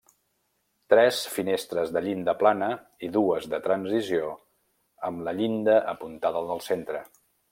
Tres finestres de llinda plana i dues de transició, amb la llinda apuntada del centre.